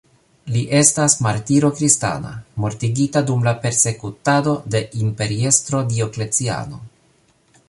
Li estas martiro kristana, mortigita dum la persekutado de imperiestro Diokleciano.